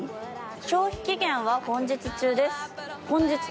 「消費期限は本日中です」